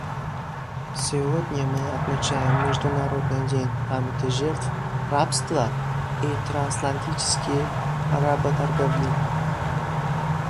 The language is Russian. Сегодня мы отмечаем Международный день памяти жертв рабства и трансатлантической работорговли.